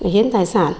hiến tài sản